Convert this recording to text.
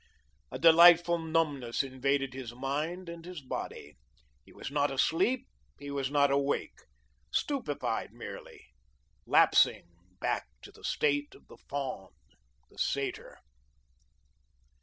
A delightful numbness invaded his mind and his body. He was not asleep, he was not awake, stupefied merely, lapsing back to the state of the faun, the satyr.